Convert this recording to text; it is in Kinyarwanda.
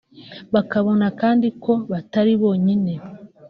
bakabona kandi ko batari bonyine